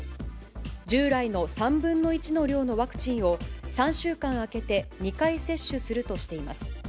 従来の３分の１の量のワクチンを３週間空けて２回接種するとしています。